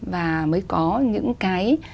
và mới có những cái